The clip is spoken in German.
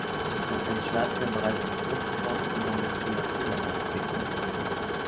Es können Schmerzen im Bereich des Brustkorbes und der Muskulatur auftreten.